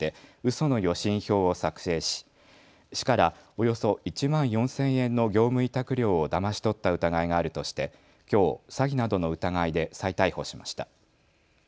その予診票を作成し市からおよそ１万４０００円の業務委託料をだまし取った疑いがあるとしてきょう詐欺などの疑いで再逮捕しました。